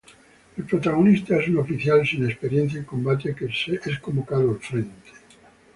El protagonista es un oficial sin experiencia en combate, que es convocado al frente.